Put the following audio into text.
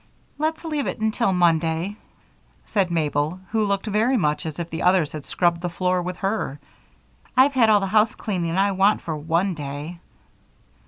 "Let's leave it until Monday," said Mabel, who looked very much as if the others had scrubbed the floor with her. "I've had all the housecleaning I want for one day."